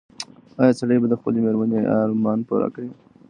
ایا سړی به د خپلې مېرمنې ارمان پوره کړي؟